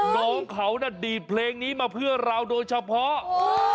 น้องเขาน่ะดีดเพลงนี้มาเพื่อเราโดยเฉพาะเออ